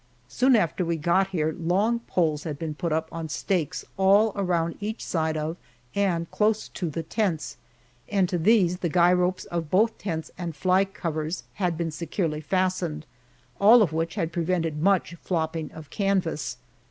Soon after we got here, long poles had been put up on stakes all along each side of, and close to, the tents, and to these the guy ropes of both tents and "fly" covers had been securely fastened, all of which had prevented much flopping of canvas.